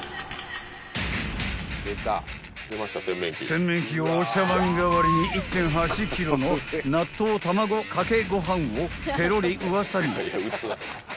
［洗面器をお茶わん代わりに１．８ｋｇの納豆卵かけご飯をペロリウワサに］